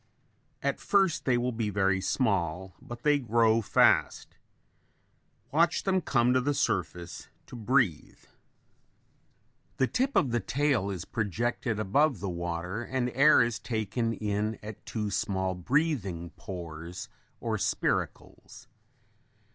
At first they will be very small but they grow fast. Watch them come to the surface to breathe. The tip of the tail is projected above the water and air is taken in at two small breathing pores or spiracles.